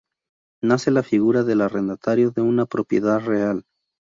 Nace la figura del arrendatario de una propiedad real.